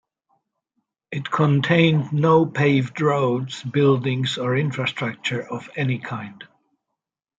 It contained no paved roads, buildings or infrastructure of any kind.